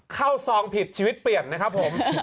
ซองผิดชีวิตเปลี่ยนนะครับผม